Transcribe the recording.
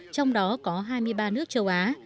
trong đó có hai mươi ba nước châu á